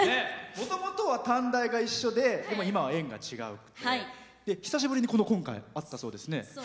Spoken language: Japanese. もともとは短大が一緒で今は園が違うので久しぶりに今回会ったそうですね。